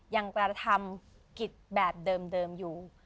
ยังกระทำผิดแบบเดิมอยู่